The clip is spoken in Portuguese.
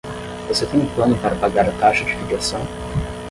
Você tem um plano para pagar a taxa de filiação?